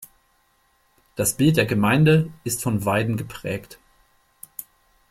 Das Bild der Gemeinde ist von Weiden geprägt.